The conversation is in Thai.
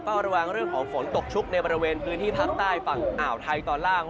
ระวังเรื่องของฝนตกชุกในบริเวณพื้นที่ภาคใต้ฝั่งอ่าวไทยตอนล่าง